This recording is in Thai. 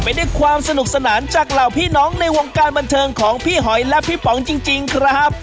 ด้วยความสนุกสนานจากเหล่าพี่น้องในวงการบันเทิงของพี่หอยและพี่ป๋องจริงครับ